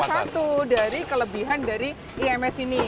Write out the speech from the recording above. itu juga salah satu dari kelebihan dari ims ini